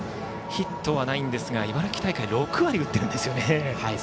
ヒットはないんですが茨城大会で６割打っているんですね。